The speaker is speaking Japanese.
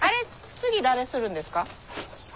次誰するんですか？